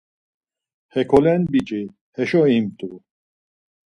Hekolen biç̌i heşo imt̆u.